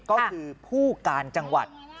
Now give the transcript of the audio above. ก็คือผู้การจังหวัด